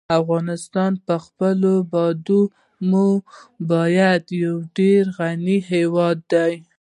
افغانستان په خپلو بادامو باندې یو ډېر غني هېواد دی.